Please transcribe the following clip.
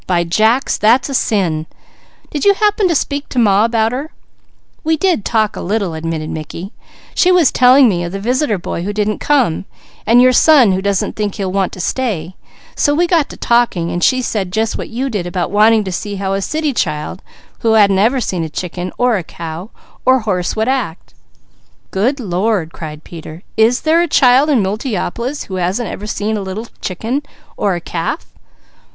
"By jacks that's a sin! Did you happen to speak to Ma about her?" "We did talk a little," admitted Mickey. "She was telling me of the visitor boy who didn't come, and your son who doesn't think he'll want to stay; so we got to talking. She said just what you did about wanting to see how a city child who hadn't ever seen a chicken, or a cow, or horse would act " "Good Lord!" cried Peter. "Is there a child in Multiopolis who hasn't ever seen a little chicken, or a calf?"